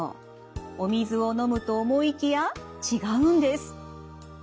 お水を飲むと思いきや違うんです。